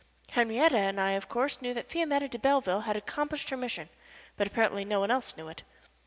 Henriette and I, of course, knew that Fiametta de Belleville had accomplished her mission, but apparently no one else knew it.